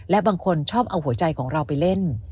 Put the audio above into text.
และบางคนชอบเอาหัวใจของเราไปเล่น